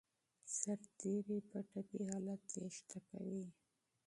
سرتیري په ټپي حالت تېښته کوي.